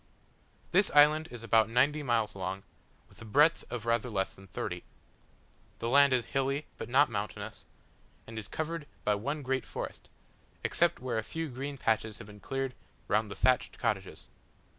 This island is about ninety miles long, with a breadth of rather less than thirty. The land is hilly, but not mountainous, and is covered by one great forest, except where a few green patches have been cleared round the thatched cottages.